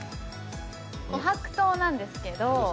琥珀糖なんですけど。